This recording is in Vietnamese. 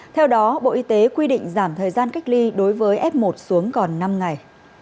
theo đó bộ y tế quy định giảm thời gian cách ly đối với f một xuống còn năm ngày